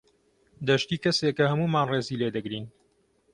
دەشتی کەسێکە هەموومان ڕێزی لێ دەگرین.